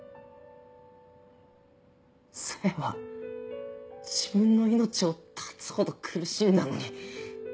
沙耶は自分の命を絶つほど苦しんだのに。